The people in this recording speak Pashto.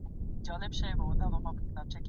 شوروا او سلاد هم مرسته کوي.